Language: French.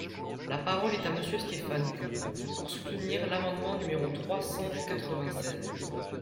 La parole est à Monsieur Stéphane Peu, pour soutenir l’amendement numéro trois cent quatre-vingt-seize.